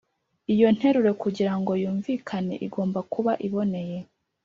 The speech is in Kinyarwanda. iyo nteruro kugira ngo yumvikane igomba kuba iboneye.